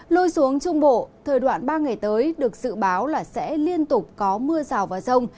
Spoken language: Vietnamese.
lui xuống trung bộ thời đoạn ba ngày tới được dự báo là sẽ liên tục có mưa rào và rông